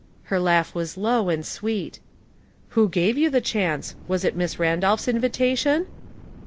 Her laugh was low and sweet. "Who gave you the chance ? Was it Misn Randolph's invitation